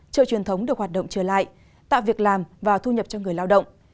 chợ truyền thống được hoạt động trở lại tạo việc làm và thu nhập cho người lao động